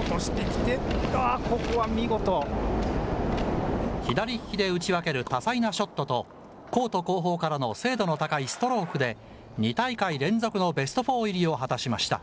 落としてきて、左利きで打ち分ける多彩なショットと、コート後方からの精度の高いストロークで、２大会連続のベスト４入りを果たしました。